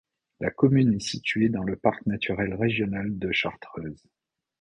La commune est située dans le parc naturel régional de Chartreuse.